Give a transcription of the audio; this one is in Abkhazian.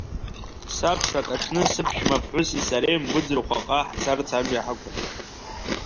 Сабшак аҽны сыԥшәма ԥҳәыси сареи Мгәыӡырхәаҟа ҳцарц амҩа ҳақәын.